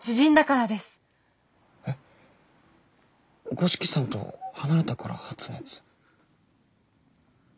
五色さんと離れたから発熱？